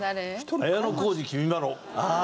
綾小路きみまろ。